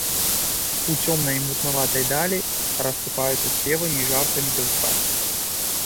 У цёмнай і мутнаватай далі рассыпаюцца спевамі і жартамі дзяўчаты.